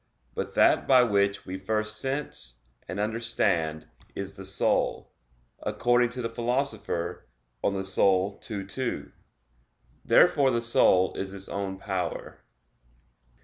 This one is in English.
But "that by which we first sense and understand" is the soul, according to the Philosopher (De Anima ii, 2). Therefore the soul is its own power.